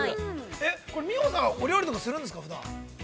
◆美穂さん、お料理とかするんですか、ふだん。